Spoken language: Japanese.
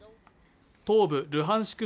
東部ルハンシク